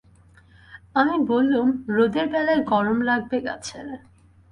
আমি বললুম, রোদের বেলায় গরম লাগবে গাছের।